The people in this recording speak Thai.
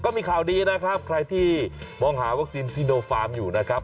มีข่าวดีนะครับใครที่มองหาวัคซีนซีโนฟาร์มอยู่นะครับ